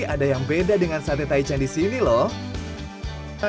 ada yang beda dengan sate taichan disini loh